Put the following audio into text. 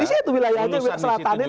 di situ wilayahnya